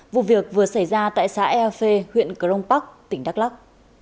vụ việc vừa xảy ra tại xã eo phe huyện crong park tỉnh đắk lắk